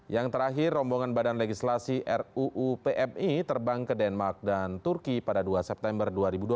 yang terakhir rombongan badan legislasi ruu pmi terbang ke denmark dan turki pada dua september dua ribu dua puluh